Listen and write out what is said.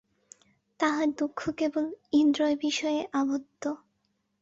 তাহার দুঃখ কেবল ইন্দ্রয়বিষয়েই আবদ্ধ।